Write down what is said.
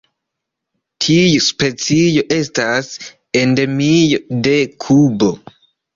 Tiu specio estas endemio de Kubo.